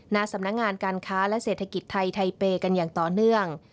ณสำนักงานการค้าและเศรษฐกิจไทยไทเปย์กันอย่างต่อเนื่อง